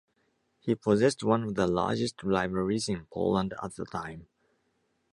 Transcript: He possessed one of the largest libraries in Poland at the time.